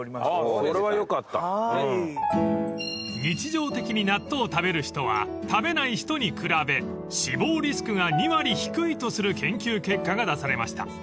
［日常的に納豆を食べる人は食べない人に比べ死亡リスクが２割低いとする研究結果が出されました］